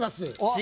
Ｃ。